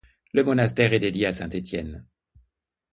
Le monastère est dédié à saint Étienne.